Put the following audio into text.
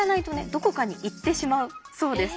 どこかに行ってしまうそうです。